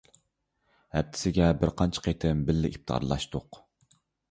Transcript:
ھەپتىسىگە بىرقانچە قېتىم بىللە ئىپتارلاشتۇق.